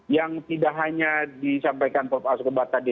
yang tidak hanya disampaikan prof azko ba tadi